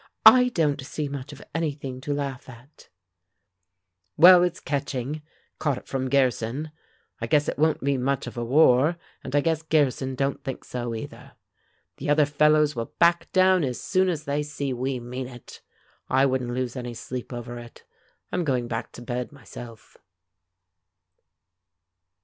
"I don't see much of anything to laugh at." "Well, it's catching. Caught it from Gearson. I guess it won't be much of a war, and I guess Gearson don't think so, either. The other fellows will back down as soon as they see we mean it. I wouldn't lose any sleep over it. I'm going back to bed, myself."